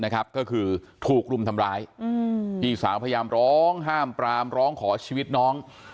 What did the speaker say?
ก็คือถูกรุมทำร้ายพี่สาวพยายามร้องห้ามปรามร้องขอชีวิตน้อง